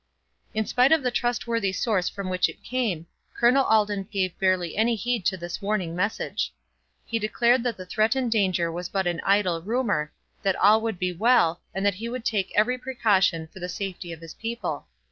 In spite of the trustworthy source from which it came, Colonel Alden gave barely any heed to this warning message. He declared that the threatened danger was but an idle rumour, that all would be well, and that he would take every precaution for the safety of his people.